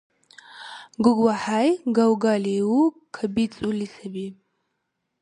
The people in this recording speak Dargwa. ГуглахӀяй галгалиу кабицӀули саби.